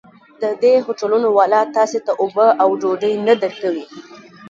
د دې هوټلونو والا تاسې ته اوبه او ډوډۍ نه درکوي.